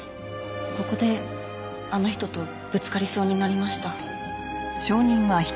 ここであの人とぶつかりそうになりました。